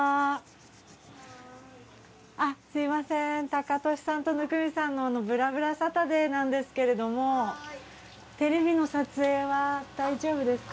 タカトシさんと温水さんの『ぶらぶらサタデー』なんですけれどもテレビの撮影は大丈夫ですか？